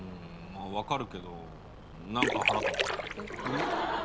まあ分かるけど何か腹立つな。